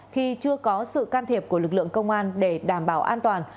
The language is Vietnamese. khi chưa có sự can thiệp của lực lượng công an để đảm bảo an toàn